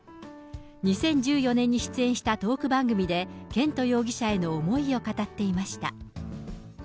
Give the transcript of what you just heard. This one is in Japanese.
２０１４年に出演したトーク番組で、絢斗容疑者への思いを語っていました。